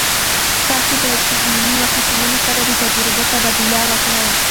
تاسو باید د علمي محصلینو سره د تجربو تبادله وکړئ.